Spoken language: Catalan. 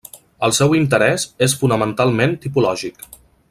El seu interès és fonamentalment tipològic.